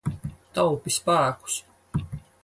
Taupi spēkus.